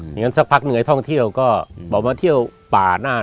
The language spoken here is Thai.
อย่างนั้นสักพักเหนื่อยท่องเที่ยวก็บอกมาเที่ยวป่าหน้า